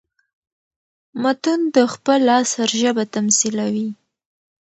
متون د خپل عصر ژبه تميثلوي.